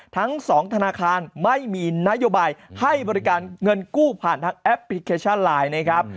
ทั้ง๒ธนาคารไม่มีนโยบายให้บริการเงินกู้ผ่านทางแอปพลิเคชันไลน์นะครับ